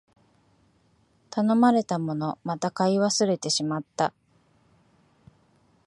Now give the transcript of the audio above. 頼まれたもの、また買い忘れてしまった